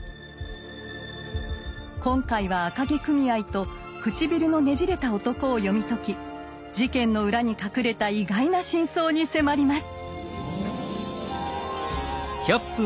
今回は「赤毛組合」と「唇のねじれた男」を読み解き事件の裏に隠れた意外な真相に迫ります！